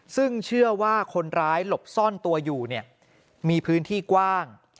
ซึ่งเชื่อว่าคนร้ายหลบซ่อนตัวอยู่มีพื้นที่กว้าง